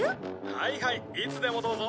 「はいはいいつでもどうぞ」